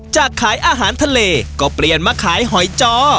ขายอาหารทะเลก็เปลี่ยนมาขายหอยจอ